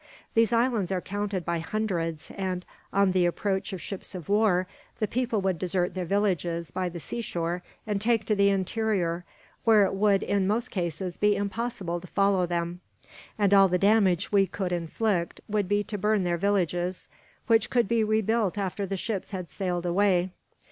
These islands are counted by hundreds and, on the approach of ships of war, the people would desert their villages by the seashore and take to the interior where it would, in most cases, be impossible to follow them and all the damage we could inflict would be to burn their villages, which could be rebuilt after the ships had sailed away.